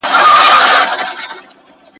چي هر څومره چیښي ویني لا یې تنده نه سړیږي ..